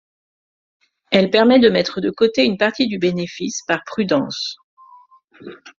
Elle permet de mettre de côté une partie du bénéfice par prudence.